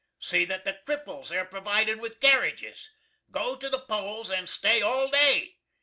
See that the kripples air provided with carriages. Go to the poles and stay all day.